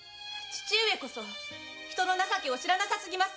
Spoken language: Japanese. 父上こそ人の情けを知らなすぎます。